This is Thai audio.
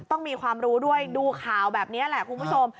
ต้องมีความรู้ด้วยดูข่าวแบบนี้แหละคุณผู้ชม